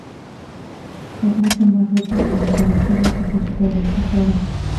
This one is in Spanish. Es mucho más rica e interactiva que sus predecesores.